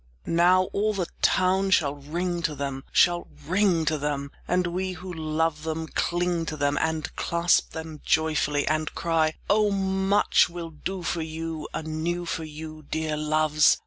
II Now all the town shall ring to them, Shall ring to them, And we who love them cling to them And clasp them joyfully; And cry, "O much we'll do for you Anew for you, Dear Loves!